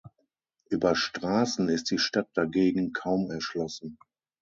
Über Straßen ist die Stadt dagegen kaum erschlossen.